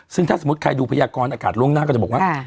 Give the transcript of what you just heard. ซึ่งถ้าสมมุติใครดูพยากรอากาศล่วงหน้าก็จะบอกว่า